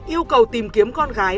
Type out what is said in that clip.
yêu cầu tìm kiếm con gái